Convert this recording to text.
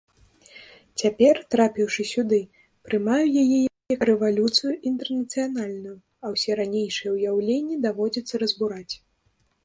Цяпер, трапіўшы сюды, прымаю яе як рэвалюцыю інтэрнацыянальную, а ўсе ранейшыя ўяўленні даводзіцца разбураць.